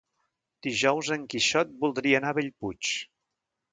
Dijous en Quixot voldria anar a Bellpuig.